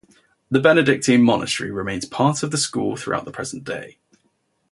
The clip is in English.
The Benedictine monastery remains part of the school through the present day.